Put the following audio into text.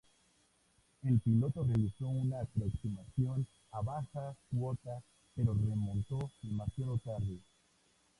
El piloto realizó una aproximación a baja cota pero remontó demasiado tarde.